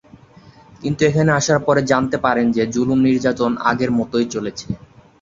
কিন্তু এখানে আসার পরে জানতে পারেন যে, জুলুম-নির্যাতন আগের মতই চলেছে।